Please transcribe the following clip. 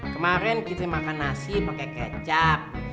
kemarin kita makan nasi pakai kecap